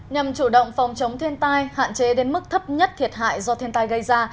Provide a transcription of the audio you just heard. nhằm chủ động phòng chống thiên tai hạn chế đến mức thấp nhất thiệt hại do thiên tai gây ra